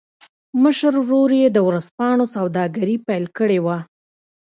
مشر ورور يې د ورځپاڼو سوداګري پیل کړې وه